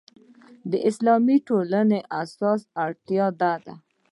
د اسلامي ټولنو اساسي اړتیا دا ده.